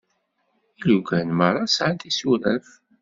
Ilugan merra sεan tisuraf.